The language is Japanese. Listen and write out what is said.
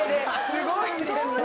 すごいですね。